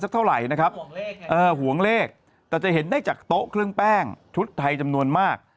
เท่าไหร่นะครับเออห่วงเลขแต่จะเห็นได้จากโต๊ะเครื่องแป้งชุดไทยจำนวนมาก